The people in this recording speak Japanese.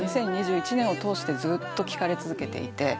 ２０２１年を通してずっと聞かれ続けていて。